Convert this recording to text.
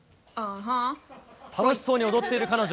楽しそうに踊っている彼女。